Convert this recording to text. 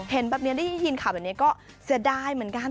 เห็นแบบนี้ได้ยินข่าวแบบนี้ก็เสียดายเหมือนกัน